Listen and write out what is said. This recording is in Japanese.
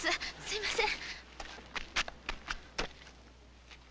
すみません！